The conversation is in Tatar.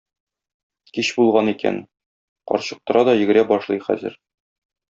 Кич булган икән, карчык тора да йөгерә башлый хәзер.